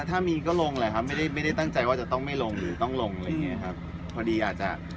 ถ้ามีก็ลงแหละครับไม่ได้ตั้งใจว่าจะต้องไม่ลงหรือต้องลงอะไรอย่างเงี้ยครับ